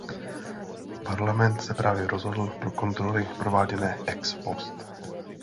Parlament se právě rozhodl pro kontroly prováděné ex post.